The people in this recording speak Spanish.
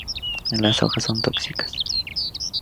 Las hojas son tóxicas.